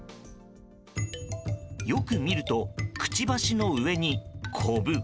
よく見るとくちばしの上に、こぶ。